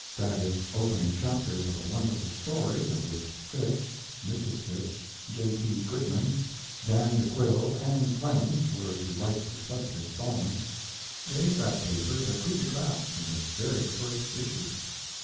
Daggett's opening chapters of a wonderful story, of which Fitch, Mrs Fitch, J. T. Goodman, Dan De Quille, and Clemens were to write successive instalments, gave that paper the coup de grace in its very first issue.